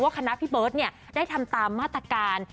คณะพี่เบิร์ตได้ทำตามมาตรการ